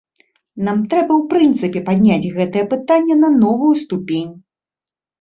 Нам трэба ў прынцыпе падняць гэтае пытанне на новую ступень.